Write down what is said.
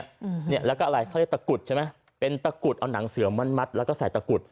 อืมเนี่ยแล้วก็อะไรเขาเรียกตะกุดใช่ไหมเป็นตะกุดเอาหนังเสือมัดแล้วก็ใส่ตะกรุด